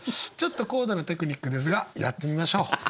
ちょっと高度なテクニックですがやってみましょう。